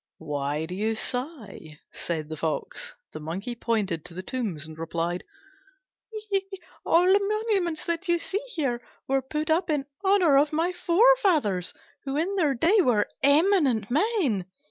"Why do you sigh?" said the Fox. The Monkey pointed to the tombs and replied, "All the monuments that you see here were put up in honour of my forefathers, who in their day were eminent men."